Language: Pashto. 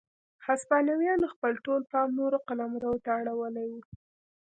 هسپانویانو خپل ټول پام نورو قلمرو ته اړولی و.